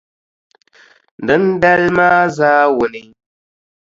Dindali maa zaawuni,